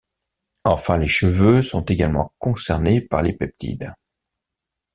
Enfin les cheveux sont également concernés par les peptides.